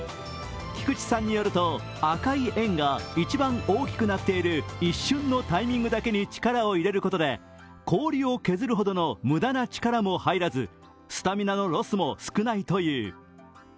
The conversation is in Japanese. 菊池さんによると赤い円が一番大きくなっている一瞬のタイミングだけに力を入れることで氷を削るほどの無駄な力も入らず、スタミナのロスも少ないという。